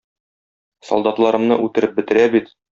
Солдатларымны үтереп бетерә бит.